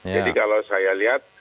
jadi kalau saya lihat